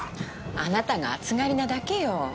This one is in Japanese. あなたが暑がりなだけよ。